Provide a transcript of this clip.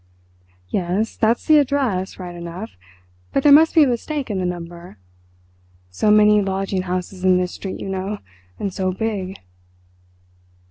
"Yes, that's the address, right enough, but there must be a mistake in the number. So many lodging houses in this street, you know, and so big."